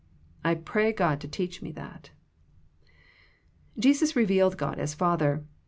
I pray God to teach me that. Jesus revealed God as Father.